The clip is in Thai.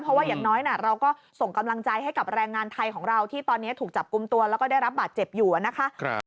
เพราะว่าอย่างน้อยเราก็ส่งกำลังใจให้กับแรงงานไทยของเราที่ตอนนี้ถูกจับกลุ่มตัวแล้วก็ได้รับบาดเจ็บอยู่นะคะ